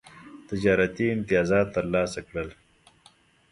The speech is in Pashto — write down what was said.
تجارتي امتیازات ترلاسه کړل.